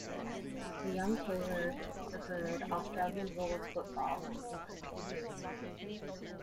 The young Taylor preferred Australian rules football and cricket.